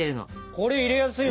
これ入れやすいわ。